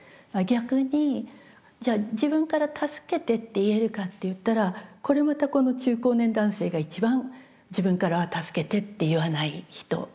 逆にじゃあ自分から助けてって言えるかっていったらこれまたこの中高年男性が一番自分からは助けてって言わない人。